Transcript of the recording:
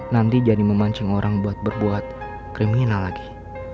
nanti jadi memancing orang buat berbuat kriminal lagi